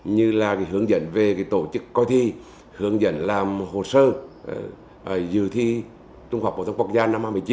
như là hướng dẫn về tổ chức coi thi hướng dẫn làm hồ sơ dự thi trung học phổ thông quốc gia năm hai nghìn một mươi chín